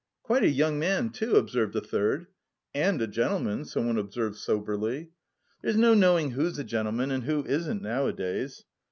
"Quite a young man, too!" observed a third. "And a gentleman," someone observed soberly. "There's no knowing who's a gentleman and who isn't nowadays."